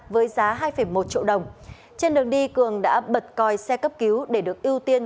với giá hai một triệu đồng trên đường đi cường đã bật coi xe cấp cứu để được ưu tiên